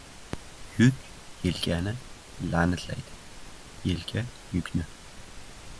• Yuk yelkani la’nataydi, yelka — yukni.